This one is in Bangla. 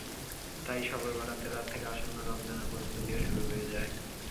তাই শবে বরাতের রাত থেকে আসন্ন রমজানের প্রস্তুতিও শুরু হয়ে যায়।